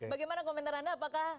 bagaimana komentar anda